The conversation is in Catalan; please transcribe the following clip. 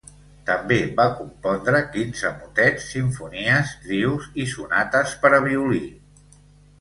També va compondre quinze motets, simfonies, trios i sonates per a violí.